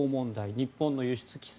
日本の輸出規制